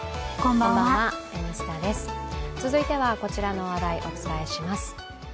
続いてはこちらの話題お伝えします。